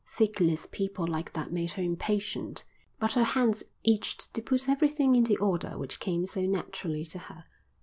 Feckless people like that made her impatient, but her hands itched to put everything in the order which came so naturally to her.